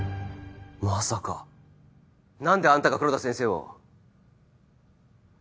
まさか何であんたが黒田先生を？